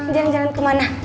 jalan jalan ke mana